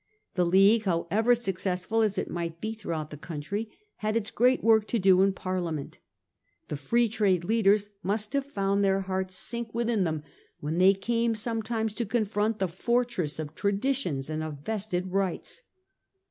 The League, however, successful as it might be throughout the country, had its great work to do in Parliament. The Free Trade leaders must have found their hearts sink within them when they came some times to confront that fortress of tradition^ and of vested rights.